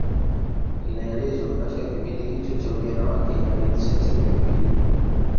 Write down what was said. Inaelezwa katika kipindi hicho cha ujana wake alianzisha timu ya mpira